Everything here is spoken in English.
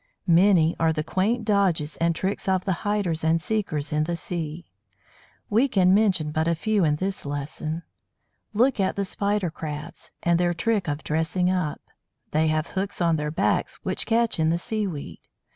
Many are the quaint dodges and tricks of the hiders and seekers in the sea. We can mention but a few in this lesson. Look at the Spider Crabs, and their trick of dressing up. They have hooks on their backs, which catch in the seaweed.